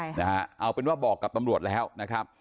ใช่นะฮะเอาเป็นว่าบอกกับตำรวจแล้วนะครับ